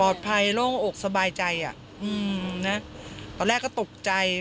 ปลอดภัยโล่งอกสบายใจตอนแรกก็ตกใจ